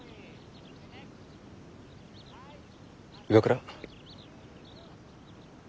岩倉。